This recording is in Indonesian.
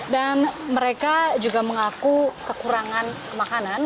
dan mereka juga mengaku kekurangan makanan